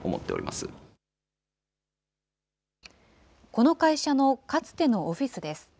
この会社のかつてのオフィスです。